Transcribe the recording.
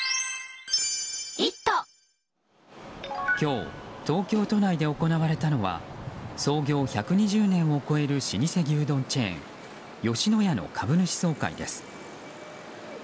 今日、東京都内で行われたのは創業１２０年を超える老舗牛丼チェーン吉野家の株主総会です。